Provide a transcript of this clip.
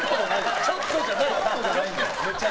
ちょっとじゃないですよ！